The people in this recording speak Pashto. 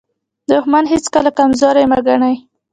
دښمن هیڅکله کمزوری مه ګڼئ.